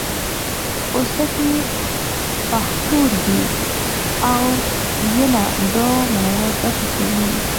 پوستکی، پښتورګي او ینه دا مواد دفع کوي.